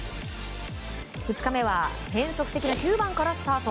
２日目は変則的な９番からスタート。